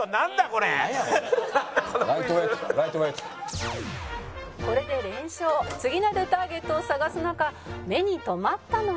「これで連勝」「次なるターゲットを探す中目に留まったのは」